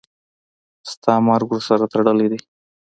ستا مرګ ورسره تړلی دی.